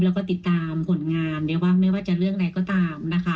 แล้วก็ติดตามผลงานไม่ว่าจะเลือกอะไรก็ตามนะคะ